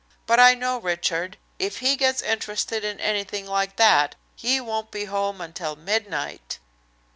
But I know Richard. If he gets interested in anything like that he won't be home until midnight."